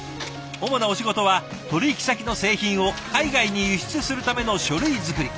主なお仕事は取引先の製品を海外に輸出するための書類作り。